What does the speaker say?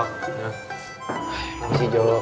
terima kasih jolo